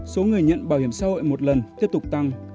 số người nhận bảo hiểm xã hội một lần tiếp tục tăng